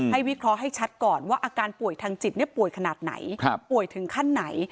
วิเคราะห์ให้ชัดก่อนว่าอาการป่วยทางจิตป่วยขนาดไหนป่วยถึงขั้นไหน